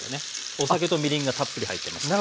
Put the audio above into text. お酒とみりんがたっぷり入ってますから。